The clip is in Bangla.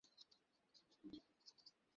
ফকির ভাবিল, এইবেলা এখান হইতে এক দৌড় মারি।